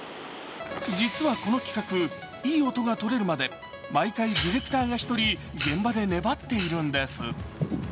実はこの企画、いい音がとれるまで毎回ディレクターが１人、現場で粘っているんです。